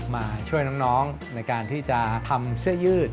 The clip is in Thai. มาช่วยน้องในการที่จะทำเสื้อยืด